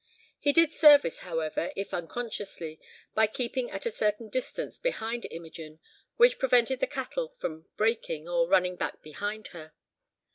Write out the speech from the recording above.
He did service however, if unconsciously, by keeping at a certain distance behind Imogen, which prevented the cattle from "breaking" or running back behind her.